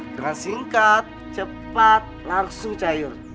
keras singkat cepat langsung cair